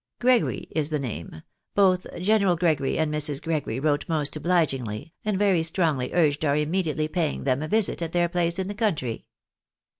Gregory is the name. Both General Gregory and Mrs. Gregory wrote most obligingly, and very strongly urged our immediately paying them a visit at their place in the country."